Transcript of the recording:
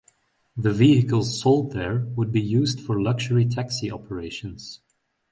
The vehicles sold there would be used for luxury taxi operations.